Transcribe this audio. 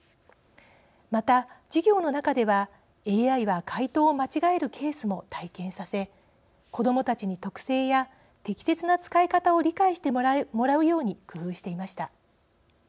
また、授業の中ではＡＩは回答を間違えるケースも体験させ子どもたちに特性や適切な使い方を理解してもらうように工夫していました。